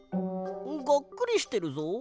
がっくりしてるぞ。